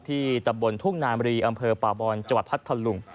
ที่ตะบลทุ่งนามรีอำเภอปากบอนจัวร์พัทธลุง